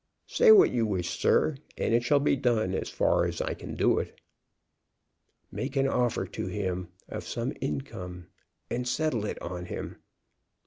"Say what you wish, sir, and it shall be done, as far as I can do it." "Make an offer to him of some income, and settle it on him.